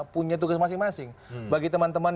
punya tugas masing masing bagi teman teman